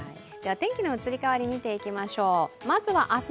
天気の移り変わり見ていきましょう。